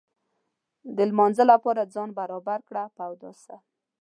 د لمانځه لپاره ځان برابر کړ په اوداسه.